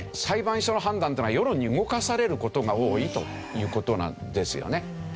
裁判所の判断っていうのは世論に動かされる事が多いという事なんですよね。